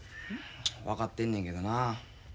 分かってんねんけどな。